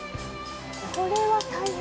これは大変。